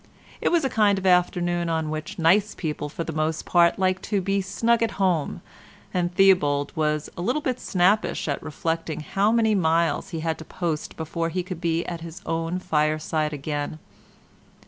It was a kind of afternoon on which nice people for the most part like to be snug at home, and Theobald was a little snappish at reflecting how many miles he had to post before he could be at his own fireside again.